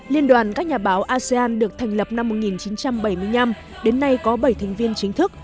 liên đoàn các nhà báo asean được thành lập năm một nghìn chín trăm bảy mươi năm đến nay có bảy thành viên chính thức